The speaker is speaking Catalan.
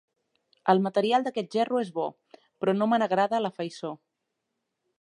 El material d'aquest gerro és bo, però no me n'agrada la faiçó.